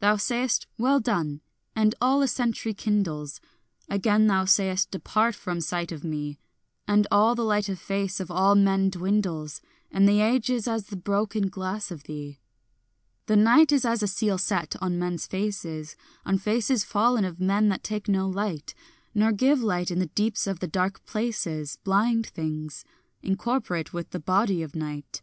Thou sayest "Well done," and all a century kindles; Again thou sayest "Depart from sight of me," And all the light of face of all men dwindles, And the age is as the broken glass of thee. The night is as a seal set on men's faces, On faces fallen of men that take no light, Nor give light in the deeps of the dark places, Blind things, incorporate with the body of night.